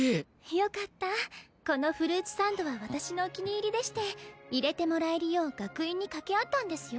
よかったこのフルーツサンドは私のお気に入りでして入れてもらえるよう学院にかけ合ったんですよ